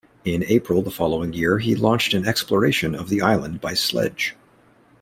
In April the following year, he launched an exploration of the island by sledge.